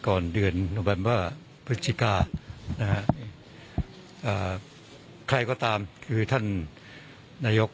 ก่อนเดือนนับนพฤศจิกายน